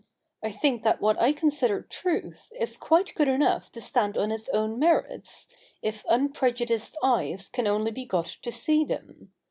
I think that what I consider truth is quite good enough to stand on its own merits, if unprejudiced eyes can only be got to see them.